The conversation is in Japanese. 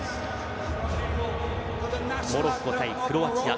モロッコ対クロアチア。